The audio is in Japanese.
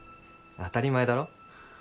当たり前だろ。